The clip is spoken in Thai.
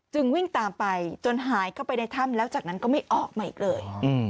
วิ่งตามไปจนหายเข้าไปในถ้ำแล้วจากนั้นก็ไม่ออกมาอีกเลย